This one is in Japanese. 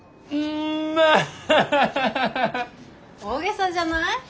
大げさじゃない？